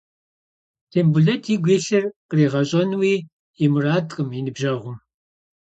Тембулэт игу илъыр къригъэщӏэнуи и мурадкъым и ныбжьэгъум.